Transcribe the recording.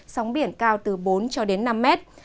sóng biển cao từ bốn cho đến năm mét